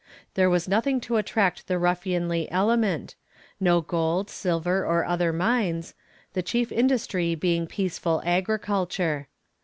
There was nothing to attract the ruffianly element, no gold, silver, or other mines; the chief industry being peaceful agriculture.